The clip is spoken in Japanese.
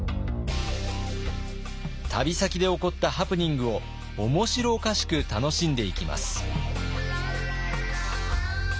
旅先で起こったハプニングを面白おかしく楽しんでいきます。